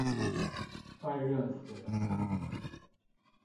快熱死了